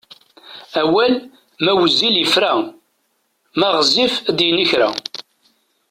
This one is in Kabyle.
Awal, ma wezzil yefra, ma ɣezzif ad d-yini kra.